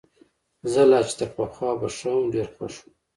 زه لا چي تر پخوا به ښه وم، ډېر خوښ وو.